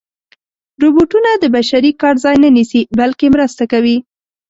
روبوټونه د بشري کار ځای نه نیسي، بلکې مرسته کوي.